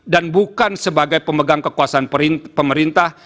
dan bukan sebagai pemegang kekuasaan pemerintah